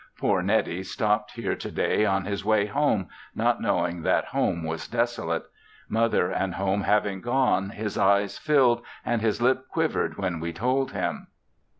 Poor Neddie stopped here to day on his way home, not knowing that home was desolate. Mother and home having gone, his eyes filled and his lip quivered when we told him.